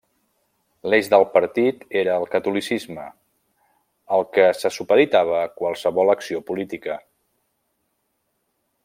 L'eix del partit era el catolicisme, al que se supeditava qualsevol acció política.